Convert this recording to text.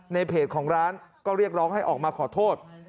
ในเพจของร้านก็เรียกร้องให้ออกมาขอโทษ